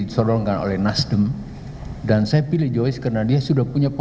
saya tidak tahu lukisan itu kayak apa